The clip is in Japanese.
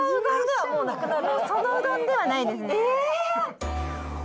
そのうどんではないですね。